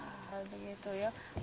oh begitu ya